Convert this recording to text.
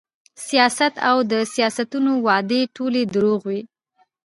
سیاست او د سیاسیونو وعدې ټولې دروغ وې